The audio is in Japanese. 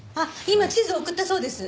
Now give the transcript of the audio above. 今地図送ったそうです。